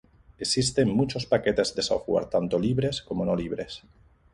Existen muchos paquetes de software, tanto libres como no libres.